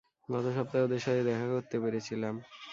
গত সপ্তাহে ওদের সাথে দেখা করতে পেরেছিলাম।